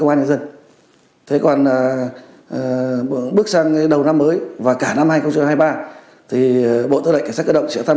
công an nhân dân thế còn bước sang đầu năm mới và cả năm hai nghìn hai mươi ba thì bộ tư lệnh cảnh sát cơ động sẽ tham